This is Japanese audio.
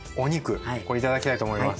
これ頂きたいと思います。